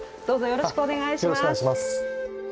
よろしくお願いします。